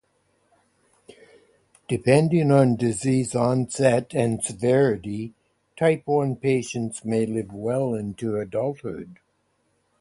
Depending on disease onset and severity, type one patients may live well into adulthood.